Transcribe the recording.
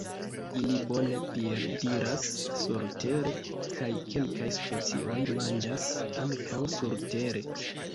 Ili bone piediras surtere, kaj kelkaj specioj manĝas ankaŭ surtere.